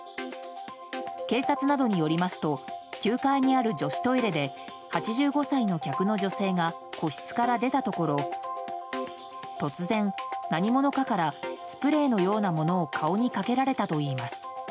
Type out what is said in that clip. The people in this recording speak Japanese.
警察などによりますと９階にある女子トイレで８５歳の客の女性が個室から出たところ突然、何者かからスプレーのようなものを顔にかけられたといいます。